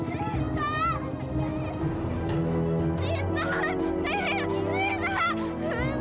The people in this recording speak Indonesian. insya allah dia udah tobat ya